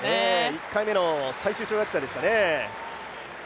１回目の最終跳躍者でしたね